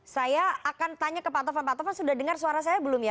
saya akan tanya ke pak tovan pak tovan sudah dengar suara saya belum ya